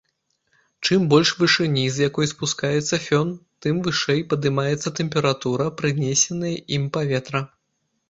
Чым больш вышыні, з якой спускаецца фён, тым вышэй падымаецца тэмпература прынесеныя ім паветра.